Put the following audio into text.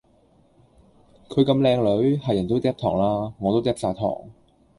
佢咁靚女，係人都嗒糖喇，我都嗒晒糖